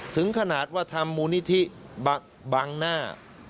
ถึงขนาดว่าทำมูลนิธิบังหน้า